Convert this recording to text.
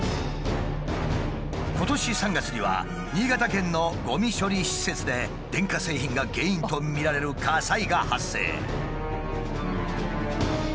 今年３月には新潟県のゴミ処理施設で電化製品が原因とみられる火災が発生。